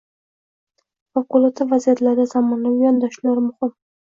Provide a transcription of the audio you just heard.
Favqulodda vaziyatlarda zamonaviy yondashuvlar muhimng